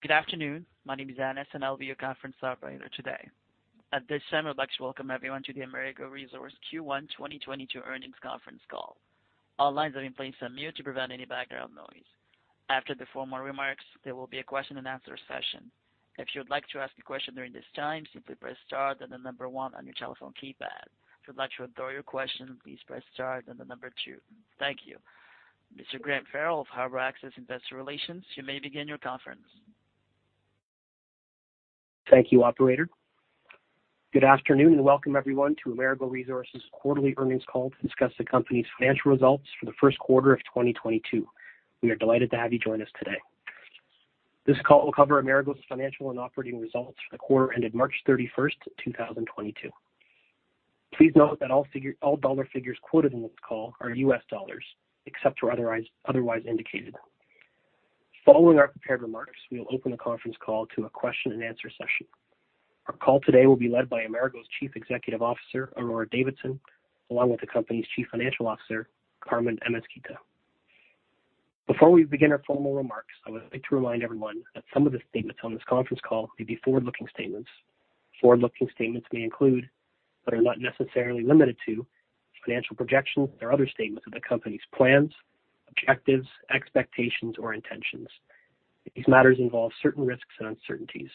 Good afternoon. My name is Anis, and I'll be your conference operator today. At this time, I'd like to welcome everyone to the Amerigo Resources Q1 2022 earnings conference call. All lines have been placed on mute to prevent any background noise. After the formal remarks, there will be a question and answer session. If you would like to ask a question during this time, simply press star then the number one on your telephone keypad. If you'd like to withdraw your question, please press star then the number two. Thank you. Mr. Graham Farrell of Harbor Access Investor Relations, you may begin your conference. Thank you, operator. Good afternoon and welcome everyone to Amerigo Resources quarterly earnings call to discuss the company's financial results for the first quarter of 2022. We are delighted to have you join us today. This call will cover Amerigo's financial and operating results for the quarter ended March 31, 2022. Please note that all dollar figures quoted in this call are US dollars, except where otherwise indicated. Following our prepared remarks, we will open the conference call to a question and answer session. Our call today will be led by Amerigo's Chief Executive Officer, Aurora Davidson, along with the company's Chief Financial Officer, Carmen Amezquita. Before we begin our formal remarks, I would like to remind everyone that some of the statements on this conference call may be forward-looking statements. Forward-looking statements may include, but are not necessarily limited to, financial projections or other statements of the company's plans, objectives, expectations, or intentions. These matters involve certain risks and uncertainties.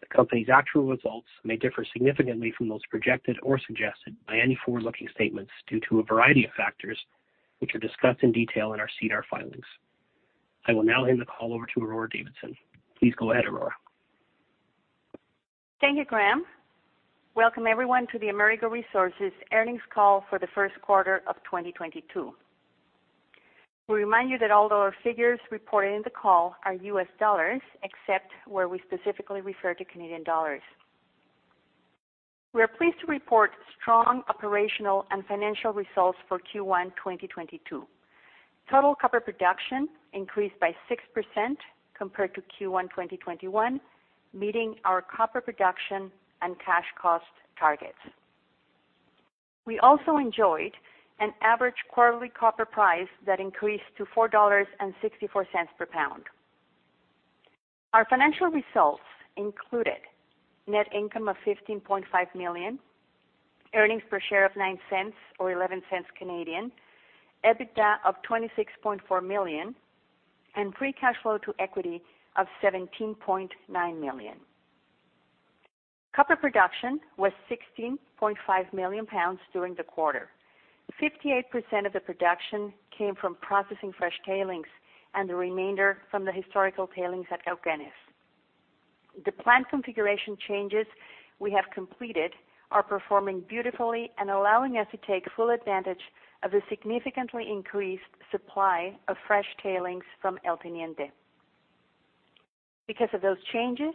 The company's actual results may differ significantly from those projected or suggested by any forward-looking statements due to a variety of factors, which are discussed in detail in our SEDAR filings. I will now hand the call over to Aurora Davidson. Please go ahead, Aurora. Thank you, Graham. Welcome everyone to the Amerigo Resources earnings call for the first quarter of 2022. We remind you that all dollar figures reported in the call are U.S. dollars, except where we specifically refer to Canadian dollars. We are pleased to report strong operational and financial results for Q1 2022. Total copper production increased by 6% compared to Q1 2021, meeting our copper production and cash cost targets. We also enjoyed an average quarterly copper price that increased to $4.64 per pound. Our financial results included net income of $15.5 million, earnings per share of $0.09 or 0.11, EBITDA of $26.4 million, and free cash flow to equity of $17.9 million. Copper production was 16.5 million pounds during the quarter 58% of the production came from processing fresh tailings and the remainder from the historical tailings at Cauquenes. The plant configuration changes we have completed are performing beautifully and allowing us to take full advantage of the significantly increased supply of fresh tailings from El Teniente. Because of those changes,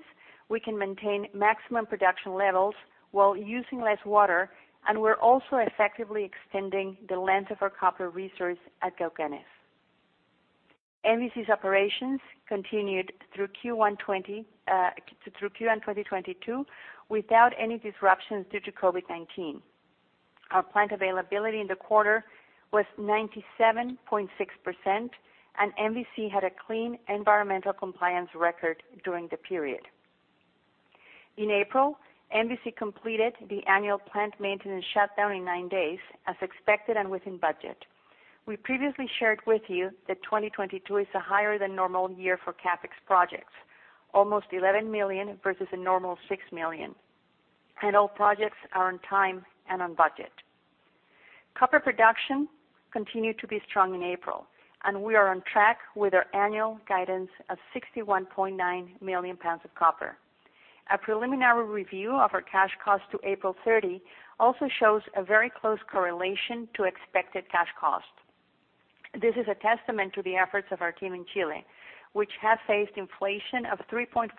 we can maintain maximum production levels while using less water, and we're also effectively extending the length of our copper resource at Cauquenes. MVC's operations continued through Q1 2022 without any disruptions due to COVID-19. Our plant availability in the quarter was 97.6%, and MVC had a clean environmental compliance record during the period. In April, MVC completed the annual plant maintenance shutdown in 9 days as expected and within budget. We previously shared with you that 2022 is a higher than normal year for CapEx projects, almost $11 million versus a normal $6 million, and all projects are on time and on budget. Copper production continued to be strong in April, and we are on track with our annual guidance of 61.9 million pounds of copper. A preliminary review of our cash cost to April 30 also shows a very close correlation to expected cash cost. This is a testament to the efforts of our team in Chile, which has faced inflation of 3.4%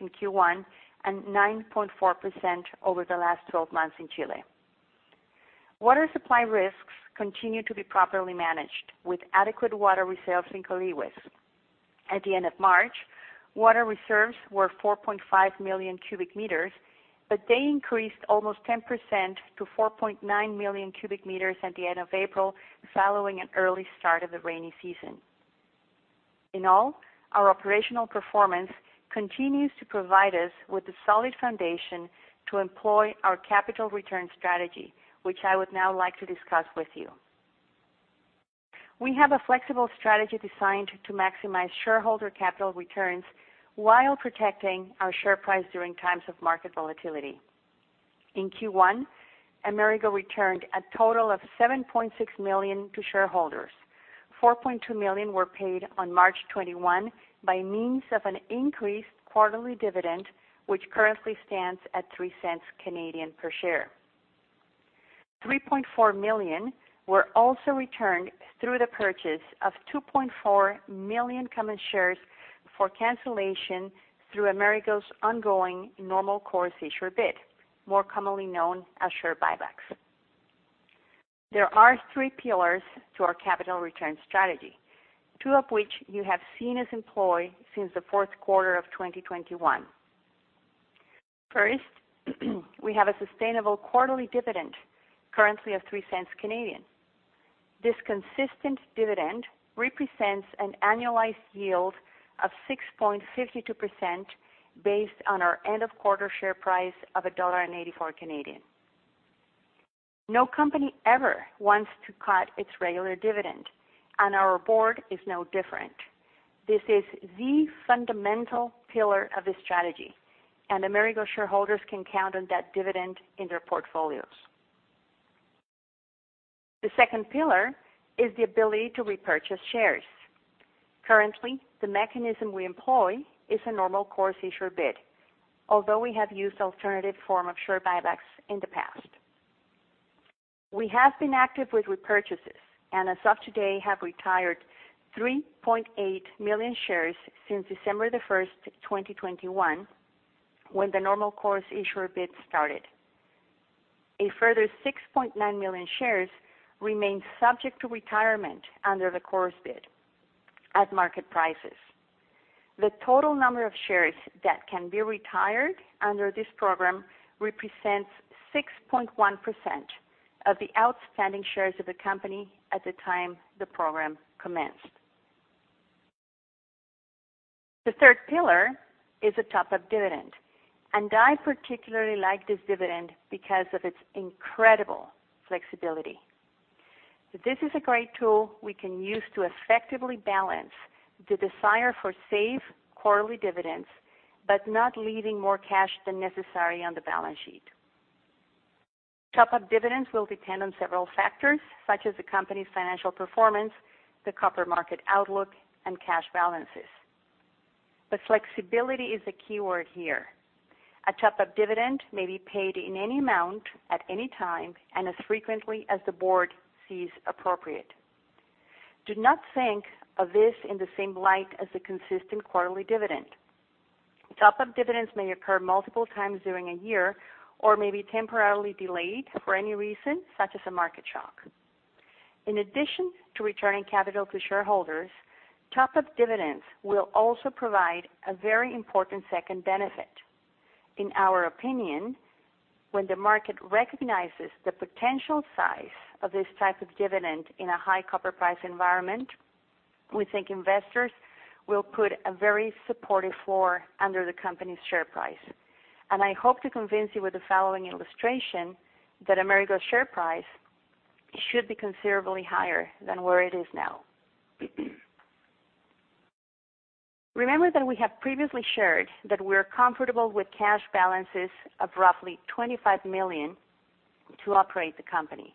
in Q1 and 9.4% over the last 12 months in Chile. Water supply risks continue to be properly managed with adequate water reserves in Colihues. At the end of March, water reserves were 4.5 million cubic meters, but they increased almost 10% to 4.9 million cubic meters at the end of April following an early start of the rainy season. In all, our operational performance continues to provide us with a solid foundation to employ our capital return strategy, which I would now like to discuss with you. We have a flexible strategy designed to maximize shareholder capital returns while protecting our share price during times of market volatility. In Q1, Amerigo returned a total of 7.6 million to shareholders. 4.2 million were paid on March 21 by means of an increased quarterly dividend, which currently stands at 0.03 per share. $3.4 million were also returned through the purchase of 2.4 million common shares for cancellation through Amerigo's ongoing normal course issuer bid, more commonly known as share buybacks. There are 3 pillars to our capital return strategy, two of which you have seen us employ since the fourth quarter of 2021. First, we have a sustainable quarterly dividend currently of 0.03. This consistent dividend represents an annualized yield of 6.52% based on our end of quarter share price of 1.84 Canadian dollars. No company ever wants to cut its regular dividend, and our board is no different. This is the fundamental pillar of the strategy, and Amerigo shareholders can count on that dividend in their portfolios. The second pillar is the ability to repurchase shares. Currently, the mechanism we employ is a normal course issuer bid, although we have used alternative form of share buybacks in the past. We have been active with repurchases and as of today have retired 3.8 million shares since December 1, 2021, when the normal course issuer bid started. A further 6.9 million shares remain subject to retirement under the course bid at market prices. The total number of shares that can be retired under this program represents 6.1% of the outstanding shares of the company at the time the program commenced. The third pillar is a top-up dividend. I particularly like this dividend because of its incredible flexibility. This is a great tool we can use to effectively balance the desire for safe quarterly dividends, but not leaving more cash than necessary on the balance sheet. Top-up dividends will depend on several factors such as the company's financial performance, the copper market outlook, and cash balances. Flexibility is a key word here. A top-up dividend may be paid in any amount at any time and as frequently as the board sees appropriate. Do not think of this in the same light as a consistent quarterly dividend. Top-up dividends may occur multiple times during a year or may be temporarily delayed for any reason, such as a market shock. In addition to returning capital to shareholders, top-up dividends will also provide a very important second benefit. In our opinion, when the market recognizes the potential size of this type of dividend in a high copper price environment, we think investors will put a very supportive floor under the company's share price. I hope to convince you with the following illustration that Amerigo share price should be considerably higher than where it is now. Remember that we have previously shared that we're comfortable with cash balances of roughly $25 million to operate the company.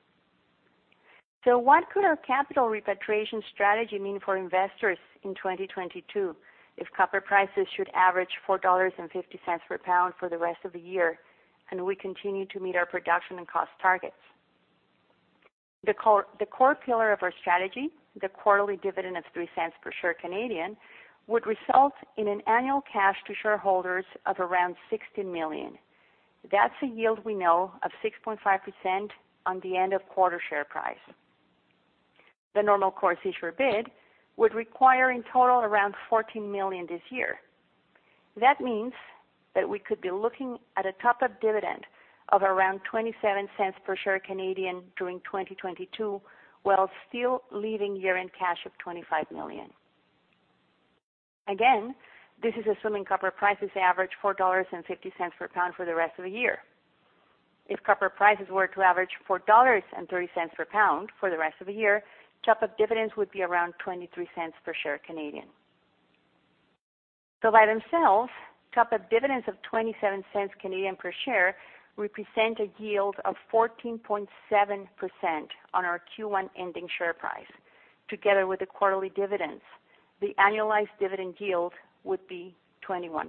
What could our capital repatriation strategy mean for investors in 2022 if copper prices should average $4.50 per pound for the rest of the year and we continue to meet our production and cost targets? The core pillar of our strategy, the quarterly dividend of 0.03 per share, would result in an annual cash to shareholders of around $60 million. That's a yield we know of 6.5% on the end of quarter share price. The normal course issuer bid would require in total around $14 million this year. That means that we could be looking at a top-up dividend of around 0.27 per share during 2022, while still leaving year-end cash of $25 million. Again, this is assuming copper prices average $4.50 per pound for the rest of the year. If copper prices were to average $4.30 per pound for the rest of the year, top-up dividends would be around 0.23 per share. By themselves, top-up dividends of 0.27 per share represent a yield of 14.7% on our Q1 ending share price. Together with the quarterly dividends, the annualized dividend yield would be 21%.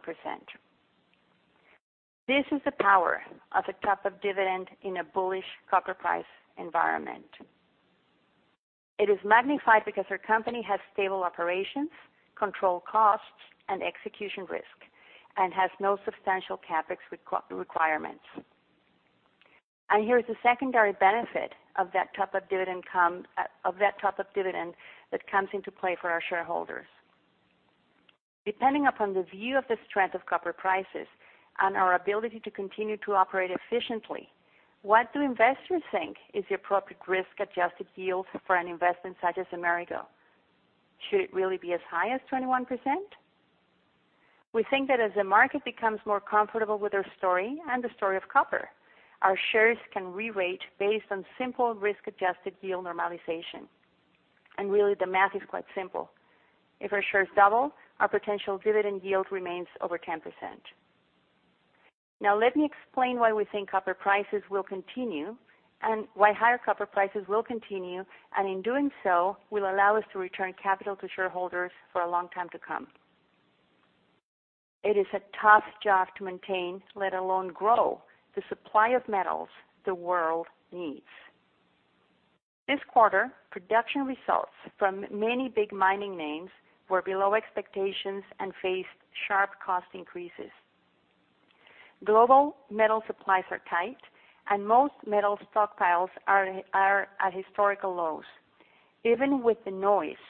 This is the power of a top-up dividend in a bullish copper price environment. It is magnified because our company has stable operations, controlled costs, and execution risk and has no substantial CapEx requirements. Here is the secondary benefit of that top-up dividend that comes into play for our shareholders. Depending upon the view of the strength of copper prices and our ability to continue to operate efficiently, what do investors think is the appropriate risk-adjusted yield for an investment such as Amerigo? Should it really be as high as 21%? We think that as the market becomes more comfortable with our story and the story of copper, our shares can re-rate based on simple risk-adjusted yield normalization. Really, the math is quite simple. If our shares double, our potential dividend yield remains over 10%. Now, let me explain why we think copper prices will continue and why higher copper prices will continue, and in doing so, will allow us to return capital to shareholders for a long time to come. It is a tough job to maintain, let alone grow the supply of metals the world needs. This quarter, production results from many big mining names were below expectations and faced sharp cost increases. Global metal supplies are tight and most metal stockpiles are at historical lows. Even with the noise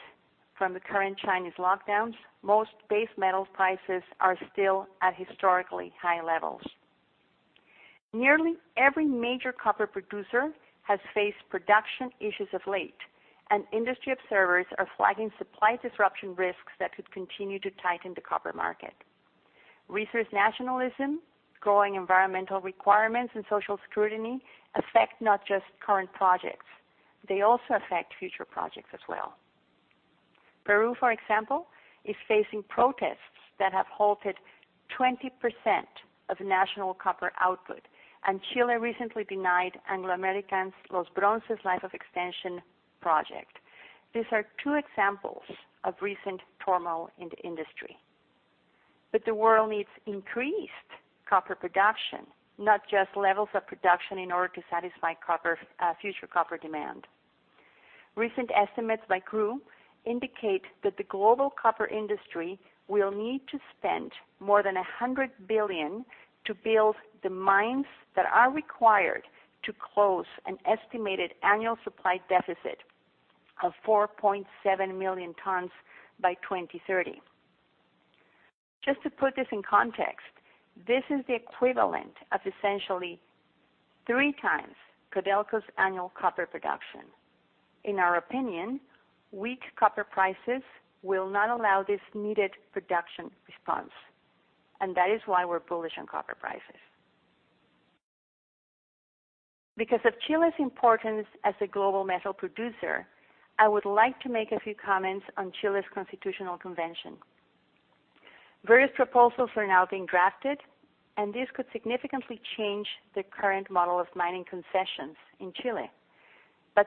from the current Chinese lockdowns, most base metal prices are still at historically high levels. Nearly every major copper producer has faced production issues of late, and industry observers are flagging supply disruption risks that could continue to tighten the copper market. Resource nationalism, growing environmental requirements, and social scrutiny affect not just current projects, they also affect future projects as well. Peru, for example, is facing protests that have halted 20% of national copper output, and Chile recently denied Anglo American's Los Bronces life of expansion project. These are two examples of recent turmoil in the industry. The world needs increased copper production, not just levels of production in order to satisfy copper future copper demand. Recent estimates by CRU indicate that the global copper industry will need to spend more than $100 billion to build the mines that are required to close an estimated annual supply deficit of 4.7 million tons by 2030. Just to put this in context, this is the equivalent of essentially 3 times Codelco's annual copper production. In our opinion, weak copper prices will not allow this needed production response, and that is why we're bullish on copper prices. Because of Chile's importance as a global metal producer, I would like to make a few comments on Chile's constitutional convention. Various proposals are now being drafted, and this could significantly change the current model of mining concessions in Chile.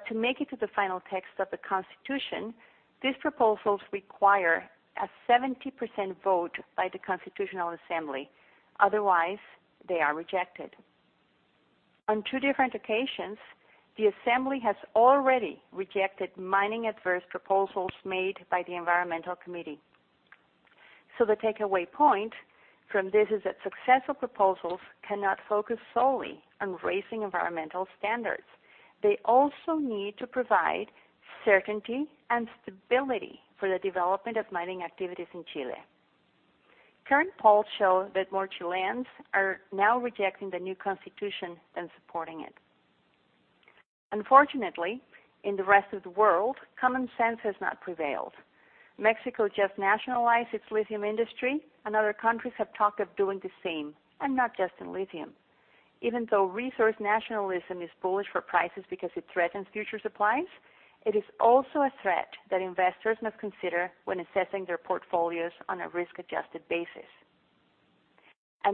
To make it to the final text of the Constitution, these proposals require a 70% vote by the Constitutional Assembly, otherwise they are rejected. On two different occasions, the assembly has already rejected mining adverse proposals made by the Environmental Commission. The takeaway point from this is that successful proposals cannot focus solely on raising environmental standards. They also need to provide certainty and stability for the development of mining activities in Chile. Current polls show that more Chileans are now rejecting the new constitution than supporting it. Unfortunately, in the rest of the world, common sense has not prevailed. Mexico just nationalized its lithium industry and other countries have talked of doing the same, and not just in lithium. Even though resource nationalism is bullish for prices because it threatens future supplies, it is also a threat that investors must consider when assessing their portfolios on a risk-adjusted basis.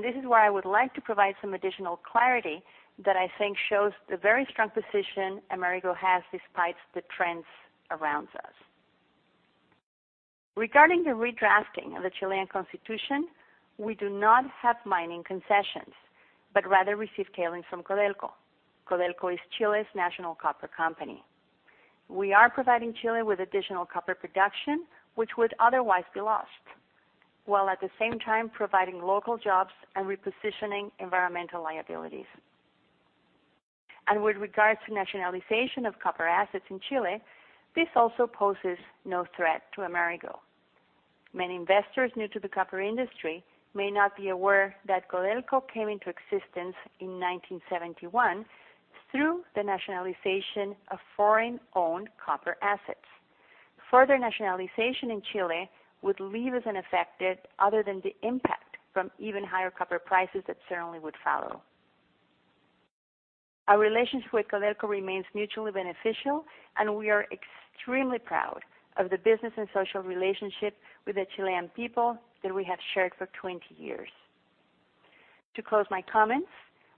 This is why I would like to provide some additional clarity that I think shows the very strong position Amerigo has despite the trends around us. Regarding the redrafting of the Chilean constitution, we do not have mining concessions, but rather receive tailings from Codelco. Codelco is Chile's national copper company. We are providing Chile with additional copper production, which would otherwise be lost, while at the same time providing local jobs and repositioning environmental liabilities. With regards to nationalization of copper assets in Chile, this also poses no threat to Amerigo. Many investors new to the copper industry may not be aware that Codelco came into existence in 1971 through the nationalization of foreign-owned copper assets. Further nationalization in Chile would leave us unaffected other than the impact from even higher copper prices that certainly would follow. Our relationship with Codelco remains mutually beneficial, and we are extremely proud of the business and social relationship with the Chilean people that we have shared for twenty years. To close my comments,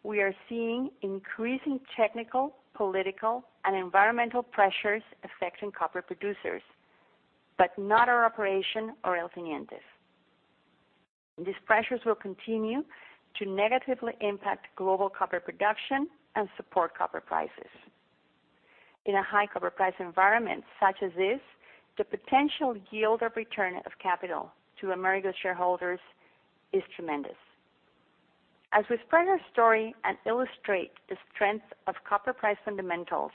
we are seeing increasing technical, political, and environmental pressures affecting copper producers, but not our operation or El Teniente. These pressures will continue to negatively impact global copper production and support copper prices. In a high copper price environment such as this, the potential yield of return of capital to Amerigo shareholders is tremendous. As we spread our story and illustrate the strength of copper price fundamentals,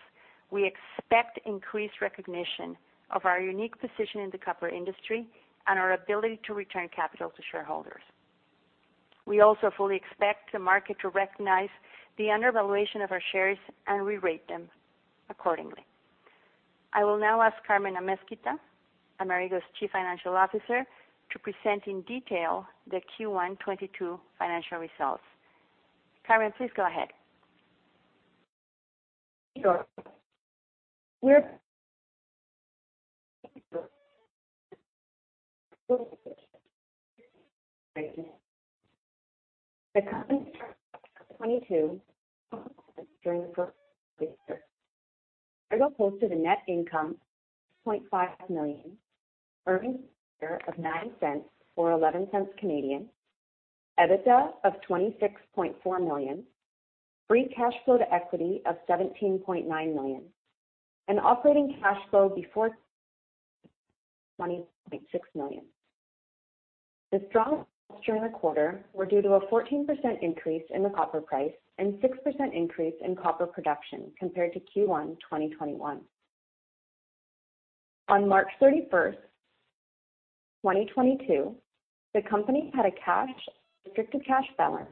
we expect increased recognition of our unique position in the copper industry and our ability to return capital to shareholders. We also fully expect the market to recognize the undervaluation of our shares and re-rate them accordingly. I will now ask Carmen Amezquita, Amerigo's Chief Financial Officer, to present in detail the Q1 2022 financial results. Carmen, please go ahead. Sure. For Q1 2022 we posted a net income of $0.5 million, earnings per share of $0.09 or 0.11, EBITDA of $26.4 million, free cash flow to equity of $17.9 million, and operating cash flow before $20.6 million. The strong results during the quarter were due to a 14% increase in the copper price and 6% increase in copper production compared to Q1 2021. On March 31, 2022, the company had a cash and restricted cash balance.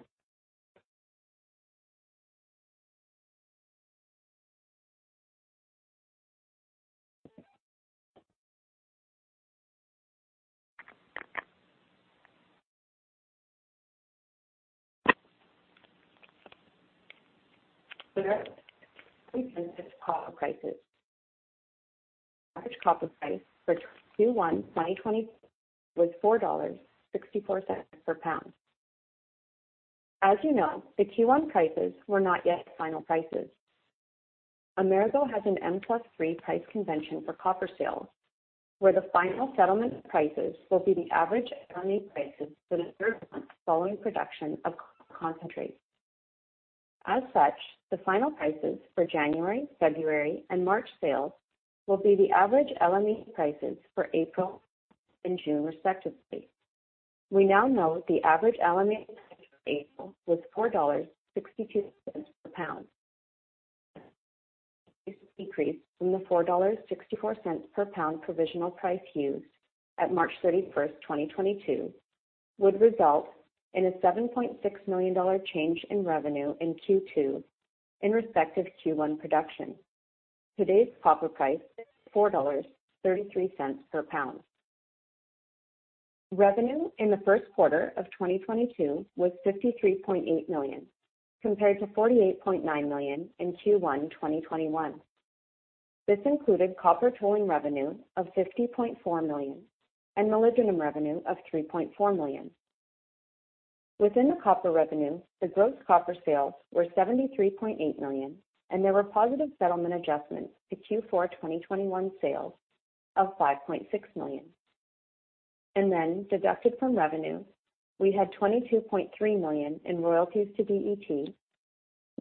With that, copper prices. Average copper price for Q1 2022 was $4.64 per pound. As you know, the Q1 prices were not yet final prices. Amerigo has an M+3 price convention for copper sales, where the final settlement prices will be the average LME prices for the third month following production of copper concentrate. As such, the final prices for January, February, and March sales will be the average LME prices for April and June respectively. We now know the average LME price for April was $4.62 per pound. This decrease from the $4.64 per pound provisional price used at March 31, 2022, would result in a $7.6 million change in revenue in Q2 in respective Q1 production. Today's copper price, $4.33 per pound. Revenue in the first quarter of 2022 was $53.8 million, compared to $48.9 million in Q1, 2021. This included copper tolling revenue of $50.4 million and molybdenum revenue of $3.4 million. Within the copper revenue, the gross copper sales were $73.8 million, and there were positive settlement adjustments to Q4 2021 sales of $5.6 million. Deducted from revenue, we had $22.3 million in royalties to DET,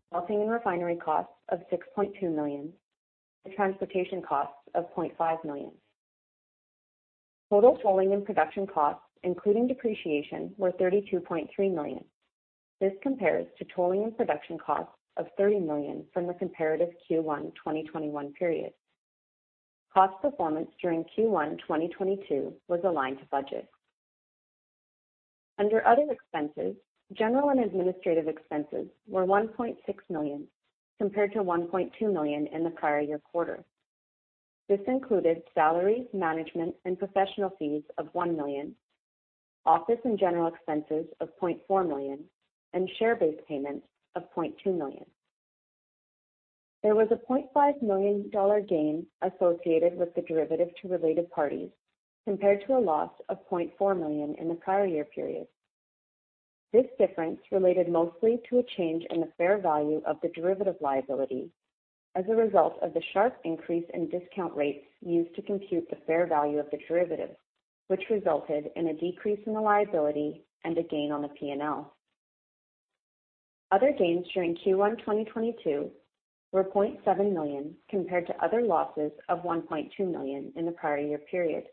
smelting and refinery costs of $6.2 million, the transportation costs of $0.5 million. Total tolling and production costs, including depreciation, were $32.3 million. This compares to tolling and production costs of $30 million from the comparative Q1 2021 period. Cost performance during Q1 2022 was aligned to budget. Under other expenses, general and administrative expenses were $1.6 million, compared to $1.2 million in the prior year quarter. This included salaries, management, and professional fees of $1 million, office and general expenses of $0.4 million, and share-based payments of $0.2 million. There was a $0.5 million gain associated with the derivative to related parties, compared to a loss of $0.4 million in the prior year period. This difference related mostly to a change in the fair value of the derivative liability as a result of the sharp increase in discount rates used to compute the fair value of the derivative, which resulted in a decrease in the liability and a gain on the P&L. Other gains during Q1 2022 were $0.7 million, compared to other losses of $1.2 million in the prior year period.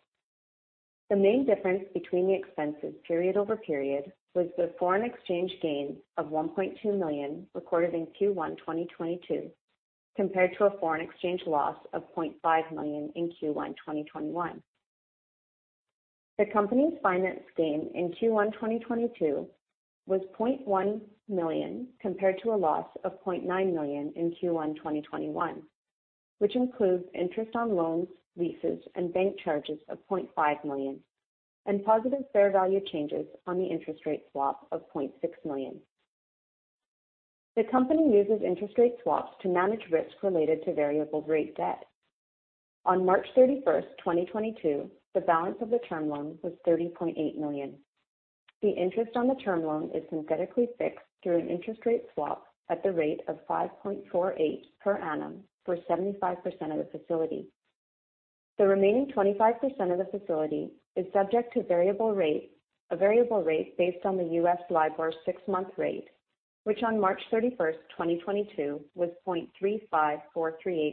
The main difference between the expenses period over period was the foreign exchange gain of $1.2 million recorded in Q1 2022, compared to a foreign exchange loss of $0.5 million in Q1 2021. The company's finance gain in Q1 2022 was $0.1 million, compared to a loss of $0.9 million in Q1 2021, which includes interest on loans, leases, and bank charges of $0.5 million and positive fair value changes on the interest rate swap of $0.6 million. The company uses interest rate swaps to manage risk related to variable rate debt. On March 31, 2022, the balance of the term loan was $30.8 million. The interest on the term loan is synthetically fixed through an interest rate swap at the rate of 5.48% per annum for 75% of the facility. The remaining 25% of the facility is subject to a variable rate based on the U.S. LIBOR six-month rate, which on March 31st, 2022, was 0.35438%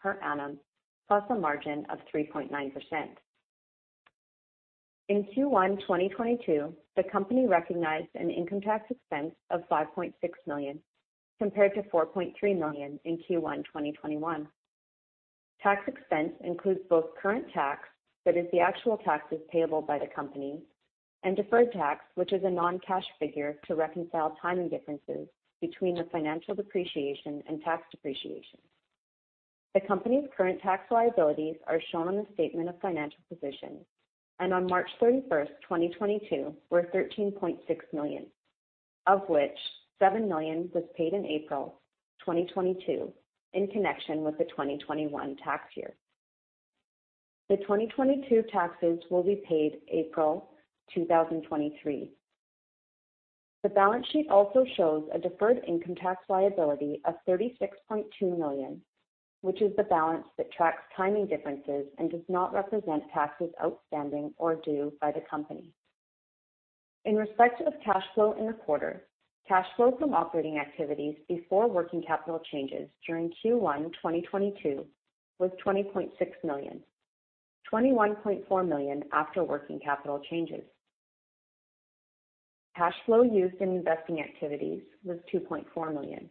per annum, plus a margin of 3.9%. In Q1 2022, the company recognized an income tax expense of $5.6 million, compared to $4.3 million in Q1 2021. Tax expense includes both current tax, that is the actual taxes payable by the company, and deferred tax, which is a non-cash figure to reconcile timing differences between the financial depreciation and tax depreciation. The company's current tax liabilities are shown on the statement of financial position. On March 31st, 2022, were $13.6 million, of which $7 million was paid in April 2022 in connection with the 2021 tax year. The 2022 taxes will be paid April 2023. The balance sheet also shows a deferred income tax liability of $36.2 million, which is the balance that tracks timing differences and does not represent taxes outstanding or due by the company. In respect of cash flow in the quarter, cash flow from operating activities before working capital changes during Q1 2022 was $20.6 million, $21.4 million after working capital changes. Cash flow used in investing activities was $2.4 million,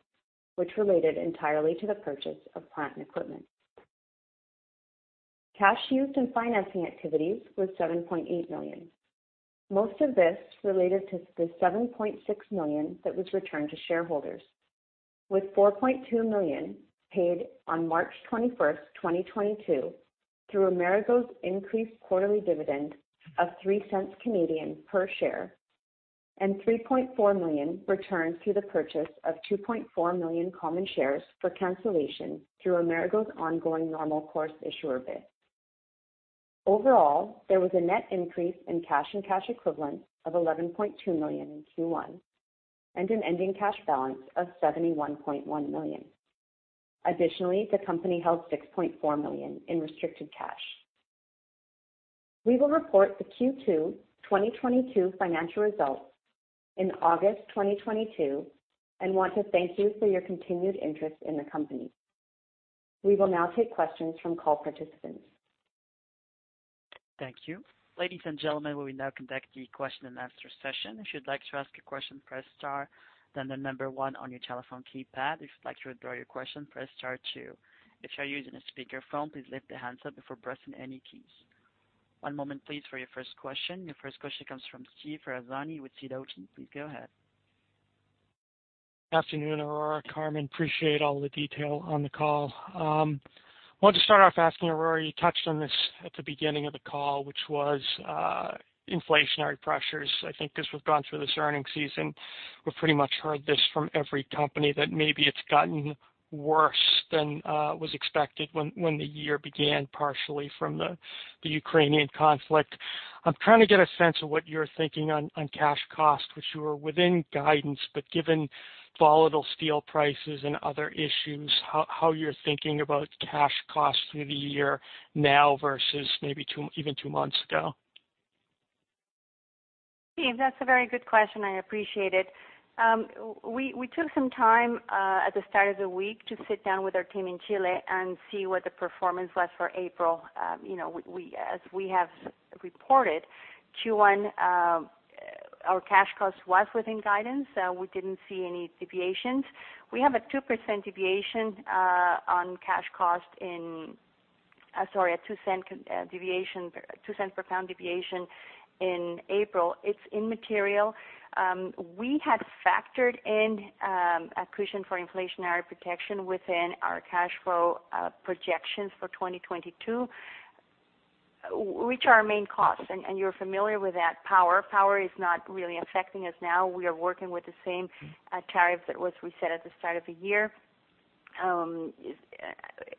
which related entirely to the purchase of plant and equipment. Cash used in financing activities was $7.8 million. Most of this related to the $7.6 million that was returned to shareholders, with $4.2 million paid on March 21, 2022 through Amerigo's increased quarterly dividend of 0.03 per share, and $3.4 million returned through the purchase of 2.4 million common shares for cancellation through Amerigo's ongoing normal course issuer bid. Overall, there was a net increase in cash and cash equivalents of $11.2 million in Q1 and an ending cash balance of $71.1 million. Additionally, the company held $6.4 million in restricted cash. We will report the Q2 2022 financial results in August 2022 and want to thank you for your continued interest in the company. We will now take questions from call participants. Thank you. Ladies and gentlemen, we will now conduct the question and answer session. If you'd like to ask a question, press star, then the number one on your telephone keypad. If you'd like to withdraw your question, press star two. If you're using a speakerphone, please lift the handset before pressing any keys. One moment please for your first question. Your first question comes from Stephen Ferrazani with CIBC. Please go ahead. Afternoon, Aurora, Carmen. Appreciate all the detail on the call. Want to start off asking, Aurora, you touched on this at the beginning of the call, which was inflationary pressures. I think as we've gone through this earnings season, we've pretty much heard this from every company that maybe it's gotten worse than was expected when the year began, partially from the Ukrainian conflict. I'm trying to get a sense of what you're thinking on cash cost, which you are within guidance, but given volatile steel prices and other issues, how you're thinking about cash costs through the year now versus maybe 2, even 2 months ago. Steve, that's a very good question. I appreciate it. We took some time at the start of the week to sit down with our team in Chile and see what the performance was for April. You know, we, as we have reported, Q1, our cash cost was within guidance. We didn't see any deviations. We have a 2% deviation on cash cost in, sorry, a $0.02 deviation, $0.02 per pound deviation in April. It's immaterial. We had factored in a cushion for inflationary protection within our cash flow projections for 2022, which are our main costs. You're familiar with that. Power is not really affecting us now. We are working with the same tariff that was reset at the start of the year.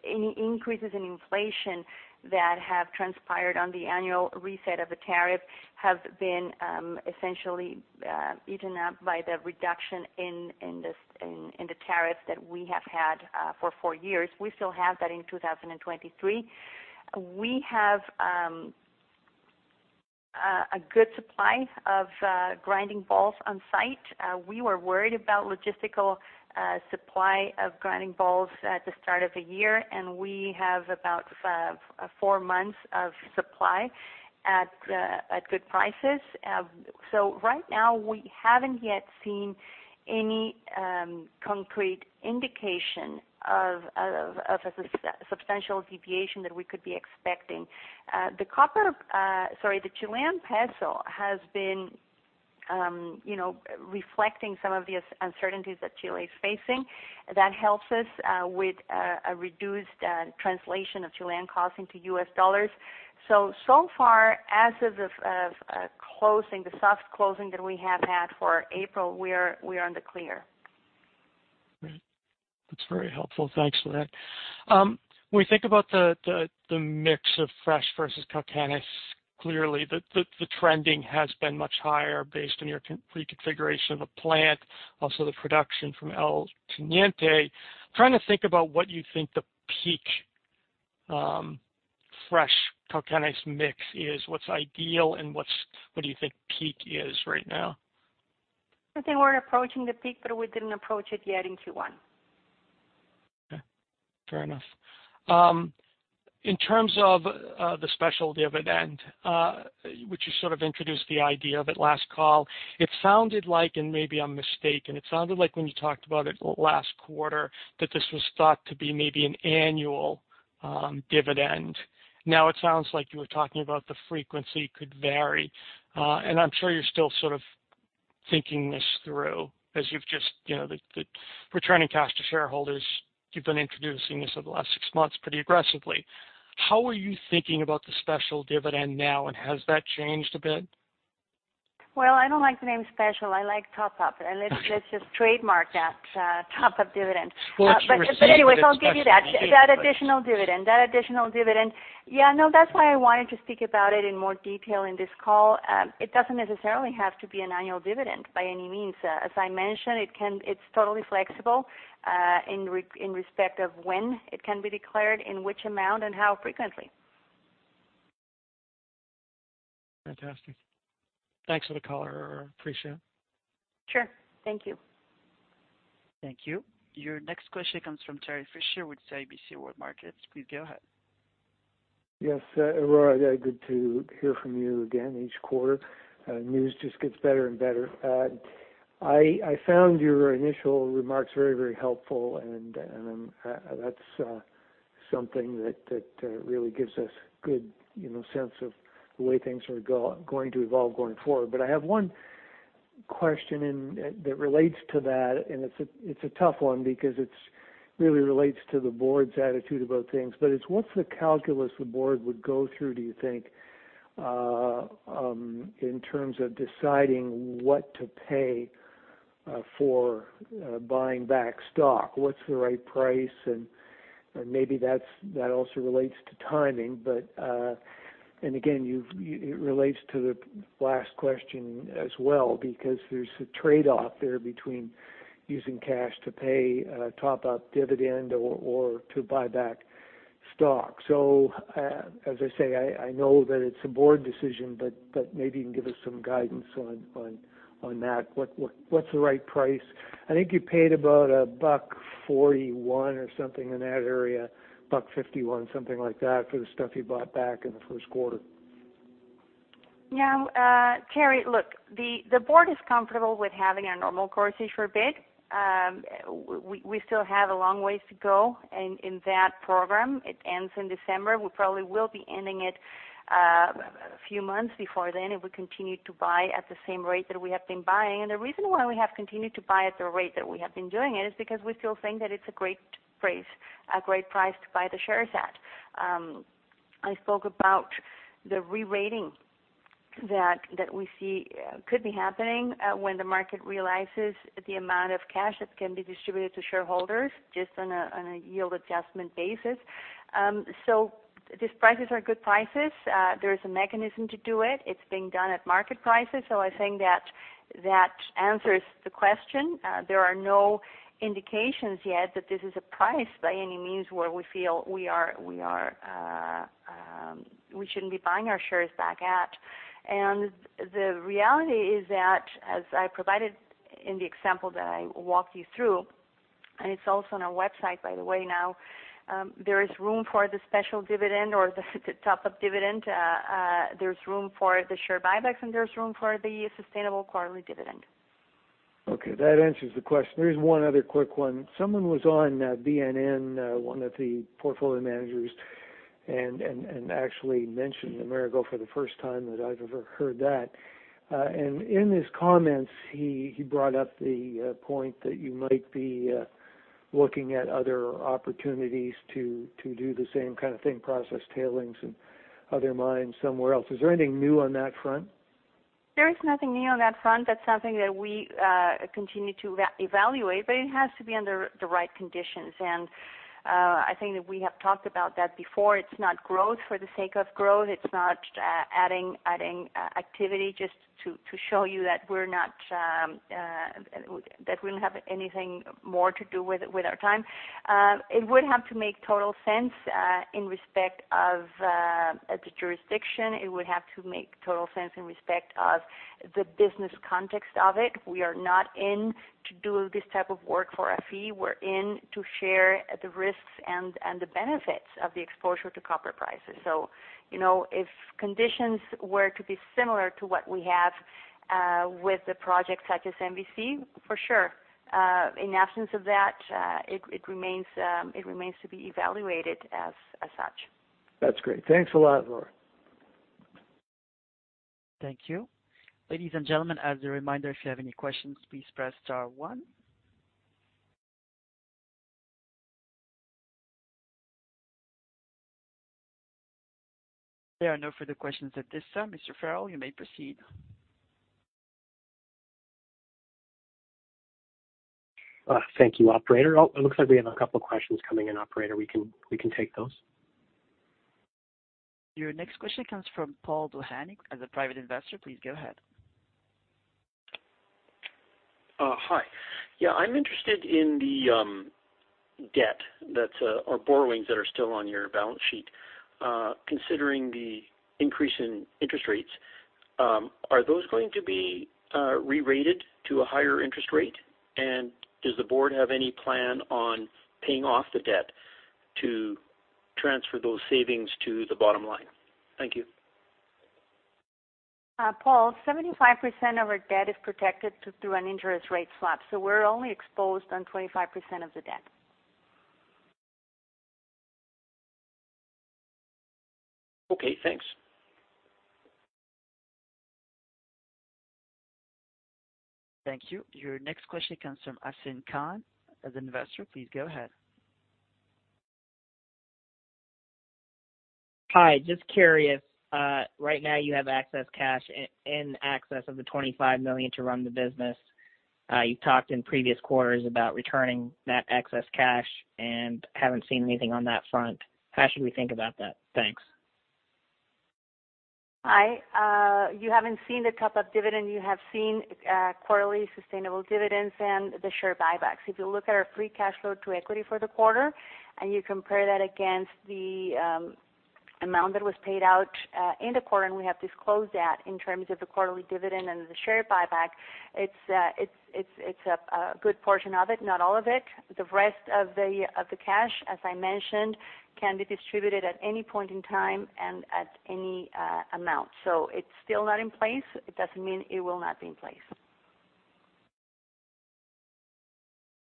Any increases in inflation that have transpired on the annual reset of the tariff have been essentially eaten up by the reduction in the tariff that we have had for 4 years. We still have that in 2023. We have a good supply of grinding balls on site. We were worried about logistical supply of grinding balls at the start of the year, and we have about 4 months of supply at good prices. Right now, we haven't yet seen any concrete indication of a substantial deviation that we could be expecting. The copper, sorry, the Chilean peso has been, you know, reflecting some of the uncertainties that Chile is facing. That helps us with a reduced translation of Chilean costs into U.S. dollars. So far, as of closing, the soft closing that we have had for April, we are in the clear. Great. That's very helpful. Thanks for that. When we think about the mix of fresh versus Cauquenes, clearly the trending has been much higher based on your reconfiguration of the plant, also the production from El Teniente. Trying to think about what you think the peak fresh Cauquenes mix is, what's ideal and what do you think peak is right now? I think we're approaching the peak, but we didn't approach it yet in Q1. Okay, fair enough. In terms of the special dividend, which you sort of introduced the idea of at last call, it sounded like, and maybe I'm mistaken, it sounded like when you talked about it last quarter, that this was thought to be maybe an annual dividend. Now it sounds like you were talking about the frequency could vary. I'm sure you're still sort of thinking this through as you've just, you know, the returning cash to shareholders, you've been introducing this over the last six months pretty aggressively. How are you thinking about the special dividend now, and has that changed a bit? Well, I don't like the name special. I like top-up. Let's just trademark that, top-up dividend. Well, it's received as special. Anyways, I'll give you that additional dividend. Yeah, no, that's why I wanted to speak about it in more detail in this call. It doesn't necessarily have to be an annual dividend by any means. As I mentioned, it can, it's totally flexible, in respect of when it can be declared, in which amount, and how frequently. Fantastic. Thanks for the call, Aurora. Appreciate it. Sure. Thank you. Thank you. Your next question comes from Terry Fisher with CIBC World Markets. Please go ahead. Yes, Aurora, good to hear from you again each quarter. News just gets better and better. I found your initial remarks very, very helpful, and that's something that really gives us good sense of the way things are going to evolve going forward. I have one question and that relates to that, and it's a tough one because it really relates to the board's attitude about things. What's the calculus the board would go through, do you think, in terms of deciding what to pay for buying back stock? What's the right price? Maybe that also relates to timing. And again, it relates to the last question as well because there's a trade-off there between using cash to pay a top-up dividend or to buy back stock. As I say, I know that it's a board decision, but maybe you can give us some guidance on that. What's the right price? I think you paid about $1.41 or something in that area, $1.51, something like that, for the stuff you bought back in the first quarter. Yeah. Terry, look, the board is comfortable with having our normal course issuer bid. We still have a long ways to go in that program. It ends in December. We probably will be ending it a few months before then if we continue to buy at the same rate that we have been buying. The reason why we have continued to buy at the rate that we have been doing it is because we still think that it's a great price, a great price to buy the shares at. I spoke about the re-rating that we see could be happening when the market realizes the amount of cash that can be distributed to shareholders just on a yield adjustment basis. These prices are good prices. There is a mechanism to do it. It's being done at market prices. I think that answers the question. There are no indications yet that this is a price by any means where we feel we are we shouldn't be buying our shares back at. The reality is that, as I provided in the example that I walked you through, and it's also on our website, by the way now, there is room for the special dividend or the top of dividend, there's room for the share buybacks, and there's room for the sustainable quarterly dividend. Okay, that answers the question. There is one other quick one. Someone was on BNN, one of the portfolio managers, and actually mentioned the Amerigo for the first time that I've ever heard that. In his comments, he brought up the point that you might be looking at other opportunities to do the same kind of thing, process tailings and other mines somewhere else. Is there anything new on that front? There is nothing new on that front. That's something that we continue to evaluate, but it has to be under the right conditions. I think that we have talked about that before. It's not growth for the sake of growth. It's not adding activity just to show you that we're not that we don't have anything more to do with our time. It would have to make total sense in respect of the jurisdiction. It would have to make total sense in respect of the business context of it. We are not in to do this type of work for a fee. We're in to share the risks and the benefits of the exposure to copper prices. You know, if conditions were to be similar to what we have with the projects such as MVC, for sure. In absence of that, it remains to be evaluated as such. That's great. Thanks a lot, Laura. Thank you. Ladies and gentlemen, as a reminder, if you have any questions, please press star one. There are no further questions at this time. Mr. Farrell, you may proceed. Thank you, operator. Oh, it looks like we have a couple questions coming in, operator. We can take those. Your next question comes from Paul Duhanik, as a private investor. Please go ahead. Hi. Yeah, I'm interested in the debt that or borrowings that are still on your balance sheet. Considering the increase in interest rates, are those going to be re-rated to a higher interest rate? Does the board have any plan on paying off the debt to transfer those savings to the bottom line? Thank you. Paul, 75% of our debt is protected through an interest rate swap, so we're only exposed on 25% of the debt. Okay, thanks. Thank you. Your next question comes from Asin Khan. As an investor, please go ahead. Hi. Just curious, right now you have excess cash in excess of $25 million to run the business. You talked in previous quarters about returning that excess cash and haven't seen anything on that front. How should we think about that? Thanks. Hi. You haven't seen the top-up dividend. You have seen quarterly sustainable dividends and the share buybacks. If you look at our free cash flow to equity for the quarter and you compare that against the amount that was paid out in the quarter, and we have disclosed that in terms of the quarterly dividend and the share buyback, it's a good portion of it, not all of it. The rest of the cash, as I mentioned, can be distributed at any point in time and at any amount. It's still not in place. It doesn't mean it will not be in place.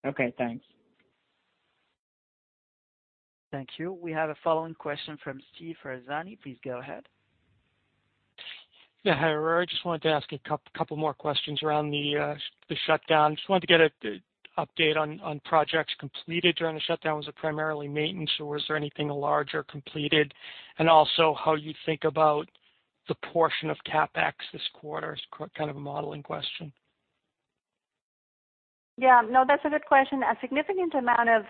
Okay, thanks. Thank you. We have a following question from Steve Ferrazani. Please go ahead. Yeah. Hi, Aurora. I just wanted to ask a couple more questions around the shutdown. Just wanted to get the update on projects completed during the shutdown. Was it primarily maintenance, or was there anything larger completed? How do you think about the portion of CapEx this quarter? It is kind of a modeling question. Yeah. No, that's a good question. A significant amount of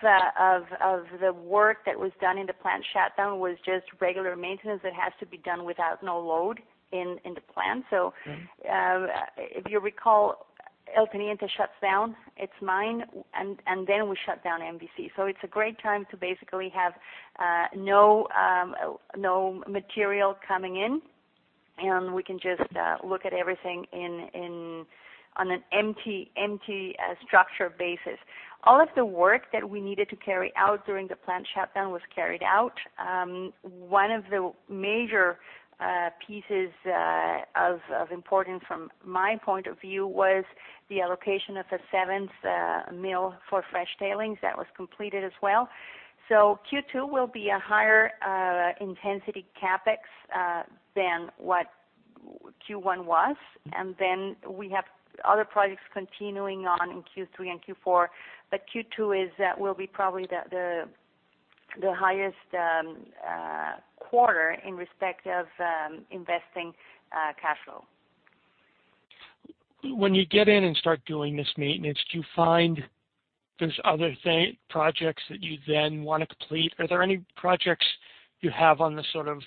the work that was done in the plant shutdown was just regular maintenance that has to be done without no load in the plant. If you recall, El Teniente shuts down its mine, and then we shut down MVC. It's a great time to basically have no material coming in, and we can just look at everything on an empty structure basis. All of the work that we needed to carry out during the plant shutdown was carried out. One of the major pieces of importance from my point of view was the allocation of the seventh mill for fresh tailings. That was completed as well. Q2 will be a higher intensity CapEx than what Q1 was. We have other projects continuing on in Q3 and Q4. Q2 will be probably the highest quarter in respect of investing cash flow. When you get in and start doing this maintenance, do you find there's other thing, projects that you then wanna complete? Are there any projects you have on the sort of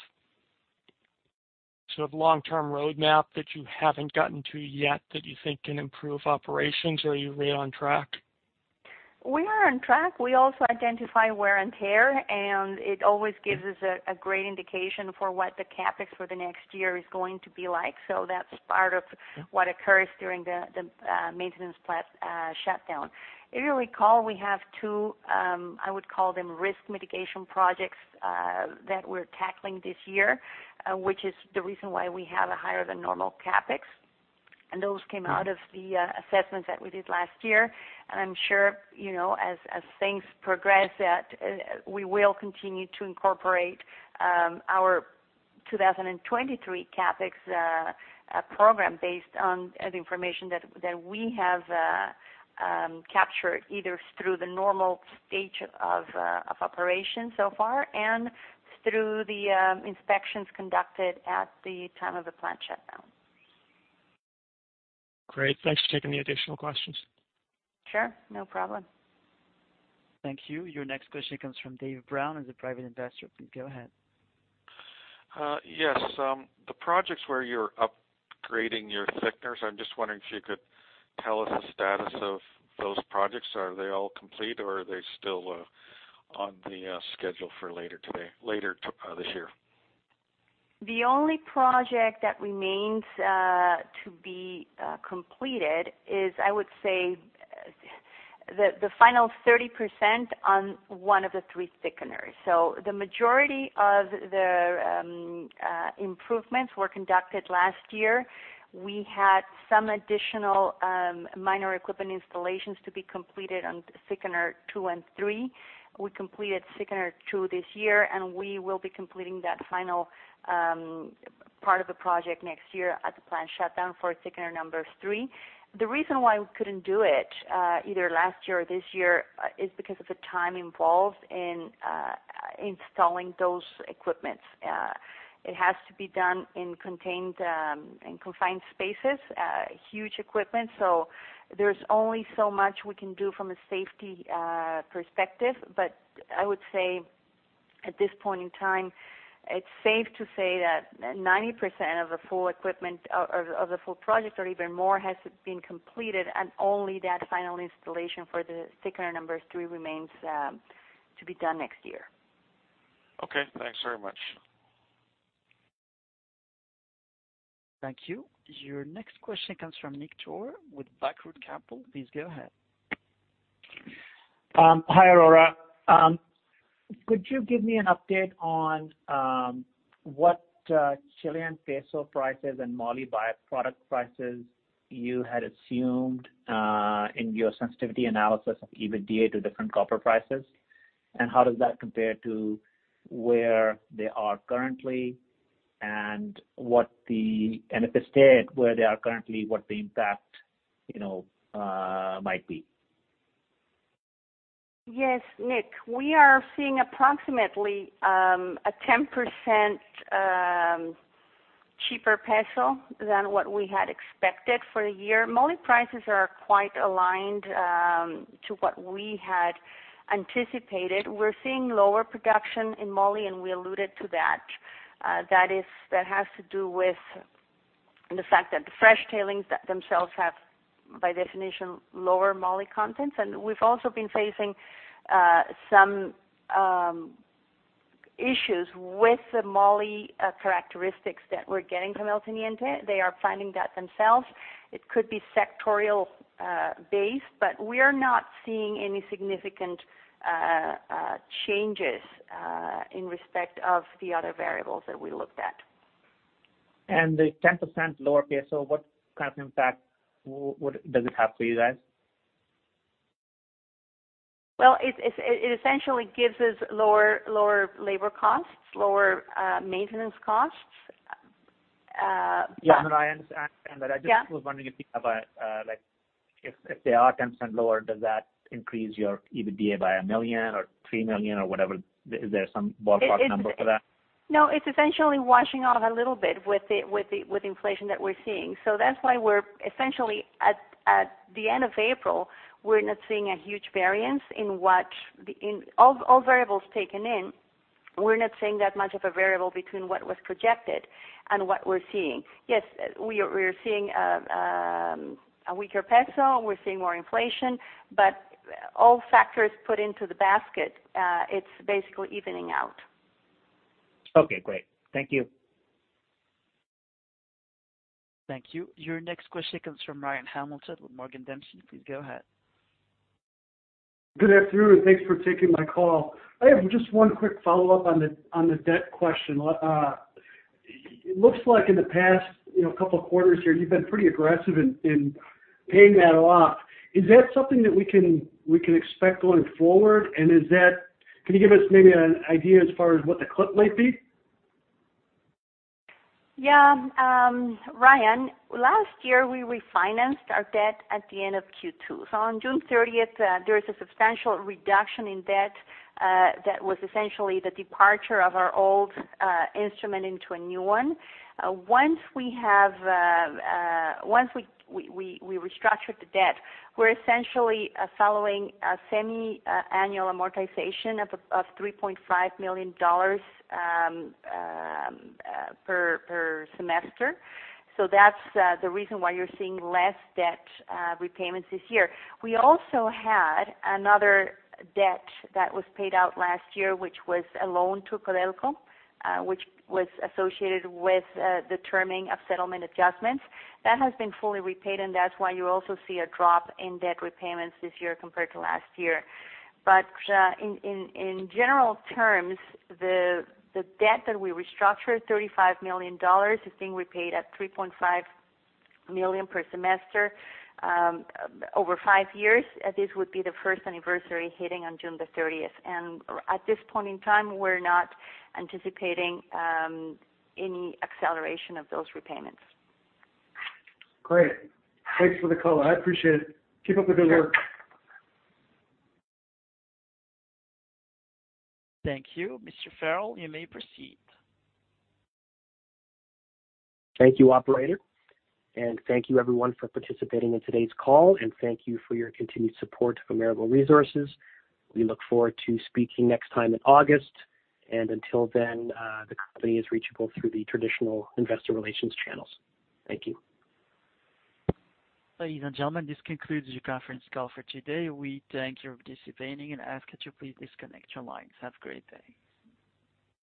long-term roadmap that you haven't gotten to yet that you think can improve operations, or are you really on track? We are on track. We also identify wear and tear, and it always gives us a great indication for what the CapEx for the next year is going to be like. That's part of what occurs during the maintenance plant shutdown. If you recall, we have two I would call them risk mitigation projects that we're tackling this year, which is the reason why we have a higher than normal CapEx. Those came out of the assessments that we did last year. I'm sure, you know, as things progress, that we will continue to incorporate our 2023 CapEx program based on the information that we have captured either through the normal stage of operation so far and through the inspections conducted at the time of the plant shutdown. Great. Thanks for taking the additional questions. Sure. No problem. Thank you. Your next question comes from David Brown as a private investor. Please go ahead. Yes. The projects where you're upgrading your thickeners, I'm just wondering if you could tell us the status of those projects. Are they all complete, or are they still on the schedule for later this year? The only project that remains to be completed is, I would say, the final 30% on one of the three thickeners. The majority of the improvements were conducted last year. We had some additional, minor equipment installations to be completed on thickener 2 and 3. We completed thickener 2 this year, and we will be completing that final, part of the project next year at the plant shutdown for thickener number 3. The reason why we couldn't do it, either last year or this year, is because of the time involved in, installing those equipment. It has to be done in confined spaces, huge equipment. There's only so much we can do from a safety, perspective. I would say at this point in time, it's safe to say that 90% of the full equipment or of the full project or even more has been completed and only that final installation for the thickener number 3 remains to be done next year. Okay, thanks very much. Thank you. Your next question comes from Nick Toor with BlackRoot Capital. Please go ahead. Hi, Aurora. Could you give me an update on what Chilean peso prices and moly byproduct prices you had assumed in your sensitivity analysis of EBITDA to different copper prices? How does that compare to where they are currently and if they stay at where they are currently, what the impact, you know, might be? Yes. Nick, we are seeing approximately 10% cheaper peso than what we had expected for the year. Moly prices are quite aligned to what we had anticipated. We're seeing lower production in moly, and we alluded to that. That has to do with and the fact that the fresh tailings that themselves have, by definition, lower moly contents. We've also been facing some issues with the moly characteristics that we're getting from El Teniente. They are finding that themselves. It could be sectoral based, but we are not seeing any significant changes in respect of the other variables that we looked at. The 10% lower peso, what kind of impact does it have for you guys? Well, it essentially gives us lower labor costs, lower maintenance costs. Yeah, no, I understand that. Yeah. I just was wondering if you have like if they are 10% lower, does that increase your EBITDA by $1 million or $3 million or whatever? Is there some ballpark number for that? No, it's essentially washing out a little bit with the inflation that we're seeing. That's why we're essentially at the end of April, we're not seeing a huge variance in all variables taken in. We're not seeing that much of a variable between what was projected and what we're seeing. Yes, we are. We're seeing a weaker peso, we're seeing more inflation, but all factors put into the basket, it's basically evening out. Okay, great. Thank you. Thank you. Your next question comes from Ryan Hamilton with Morgan Dempsey. Please go ahead. Good afternoon, and thanks for taking my call. I have just one quick follow-up on the debt question. It looks like in the past, you know, couple of quarters here, you've been pretty aggressive in paying that off. Is that something that we can expect going forward? Is that? Can you give us maybe an idea as far as what the clip might be? Yeah. Ryan, last year, we refinanced our debt at the end of Q2. On June 30, there was a substantial reduction in debt that was essentially the departure of our old instrument into a new one. Once we restructured the debt, we're essentially following a semi-annual amortization of $3.5 million per semester. That's the reason why you're seeing less debt repayments this year. We also had another debt that was paid out last year, which was a loan to Codelco, which was associated with the timing of settlement adjustments. That has been fully repaid, and that's why you also see a drop in debt repayments this year compared to last year. In general terms, the debt that we restructured, $35 million, is being repaid at $3.5 million per semester over five years. This would be the first anniversary hitting on June the thirtieth. At this point in time, we're not anticipating any acceleration of those repayments. Great. Thanks for the call. I appreciate it. Keep up the good work. Thank you. Mr. Farrell, you may proceed. Thank you, operator. Thank you everyone for participating in today's call, and thank you for your continued support for Amerigo Resources. We look forward to speaking next time in August. Until then, the company is reachable through the traditional investor relations channels. Thank you. Ladies and gentlemen, this concludes your conference call for today. We thank you for participating and ask that you please disconnect your lines. Have a great day.